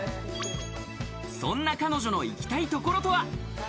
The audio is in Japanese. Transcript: そんな彼女の行きたい所とは？